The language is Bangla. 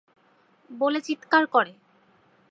বলে চিৎকার করে।